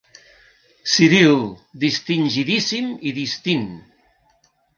Ciril, distingidíssim i distint.